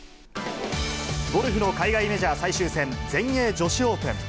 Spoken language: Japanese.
ゴルフの海外メジャー最終戦、全英女子オープン。